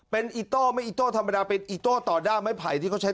เป็นอิโต้ไม่อิโต้ธรรมดาเป็นอิโต้ต่อด้ามไม้ไผ่ที่เขาใช้